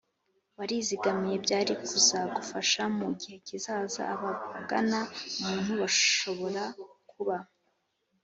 warizigamiye byari kuzagufasha mu gihe kizaza. abagana umuntu bashobora kuba